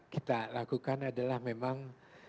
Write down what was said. kita lakukan adalah memang